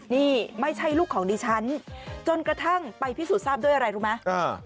นี่ไม่ใช่ลูกของดิฉันจนกระทั่งไปพิสูจน์ทราบด้วยอะไรรู้ไหม